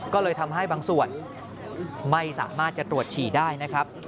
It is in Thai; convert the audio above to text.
ก็เลยทำให้บางส่วนไม่สามารถจะตรวจฉี่ได้นะครับ